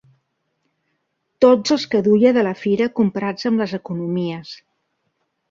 Tots els que duia de la fira comprats amb les economies